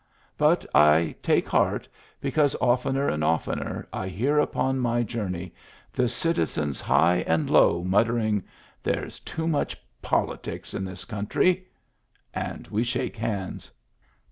But I take heart, because oftener and oftener I hear upon my journey the citizens high and low mut tering, 'There's too much politics in this coun try '; and we shake hands."